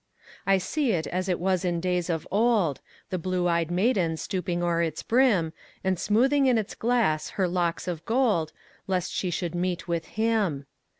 I see it as it was in days of old, The blue ey'd maiden stooping o'er its brim, And smoothing in its glass her locks of gold, Lest she should meet with him.